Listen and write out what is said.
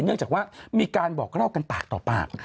เนื่องจากว่ามีการบอกเล่ากันปากต่อปาก